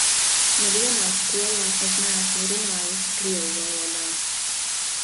Nevienā skolā es neesmu runājusi krievu valodā.